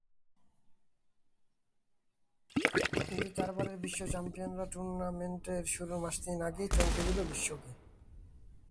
কিন্তু চারবারের বিশ্ব চ্যাম্পিয়নরা টুর্নামেন্ট শুরুর মাস তিনেক আগেই চমকে দিল বিশ্বকে।